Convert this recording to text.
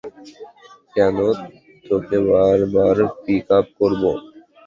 কেন তোকে বার বার পিক আপ করব?